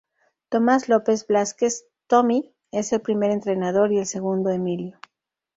Tomás López Blázquez 'Tomi' es el primer entrenador y el segundo Emilio.